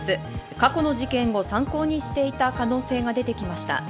過去の事件を参考にしていた可能性が出てきました。